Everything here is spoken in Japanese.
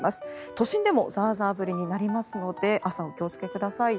都心でもザーザー降りになりますので朝、お気をつけください。